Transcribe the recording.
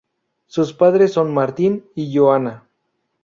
Sus padres son Martin y Joanna.